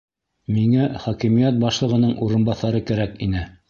Миңә хакимиәт башлығының урынбаҫары кәрәк ине...